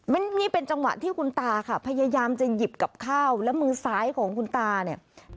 นี่เป็นจังหวะที่คุณตาค่ะพยายามจะหยิบกับข้าวแล้วมือซ้ายของคุณตาเนี่ย